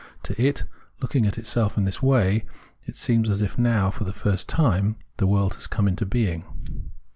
To_it, looking at itself ia this way, it seems as if how, for the.. first time, the world had come into being.